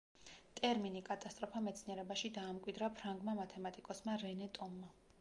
ტერმინი კატასტროფა მეცნიერებაში დაამკვიდრა ფრანგმა მათემატიკოსმა რენე ტომმა.